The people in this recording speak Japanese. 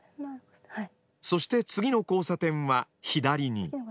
そして次の交差点は左に。